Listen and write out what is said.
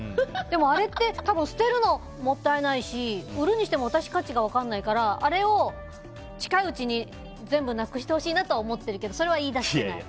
でもあれって多分、捨てるのもったいないし売るにしても私、価値が分からないからあれを近いうちに全部なくしてほしいなとは思ってるけどそれは言い出せない。